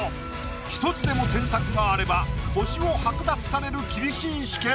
１つでも添削があれば星を剥奪される厳しい試験！